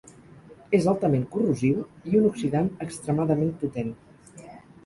És altament corrosiu i un oxidant extremadament potent.